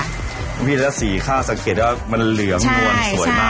พี่พี่แล้วสีข้าวสังเกตแล้วมันเหลืองนวลสวยมาก